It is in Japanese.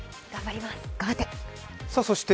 頑張って。